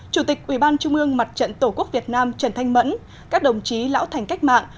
chủ tịch ủy ban trung ương mặt trận tổ quốc việt nam trần thanh mẫn các đồng chí lão thành cách mạng